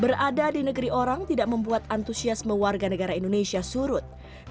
berada di negeri orang tidak membuat antusiasme warga negara indonesia surut